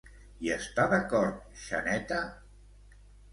Hi està d'acord Xaneta?